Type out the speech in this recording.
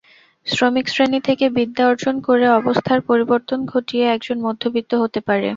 শ্রমিকশ্রেণি থেকে বিদ্যা অর্জন করে অবস্থার পরিবর্তন ঘটিয়ে একজন মধ্যবিত্ত হতে পারে।